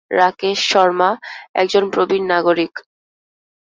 রাকেশ শর্মা, একজন প্রবীণ নাগরিক।